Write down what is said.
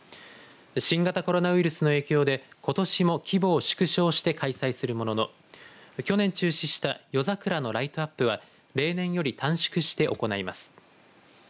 新型コロナウイルスの影響でことしも規模を縮小して開催するものの去年中止した夜桜のライトアップは例年より短縮して行います。